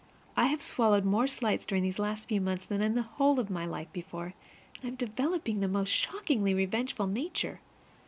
I have swallowed more slights during these last few months than in the whole of my life before, and I'm developing the most shockingly revengeful nature.